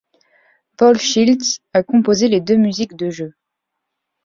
Paul Shields a composé les deux musiques de jeu.